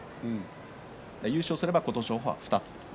優勝すれば琴勝峰は２つ。